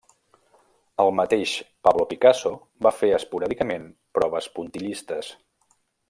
El mateix Pablo Picasso va fer esporàdicament proves puntillistes.